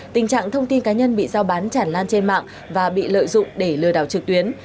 tình trạng thông tin cá nhân bị giao bán chản lan trên mạng và bị lợi dụng để lừa đảo trực tuyến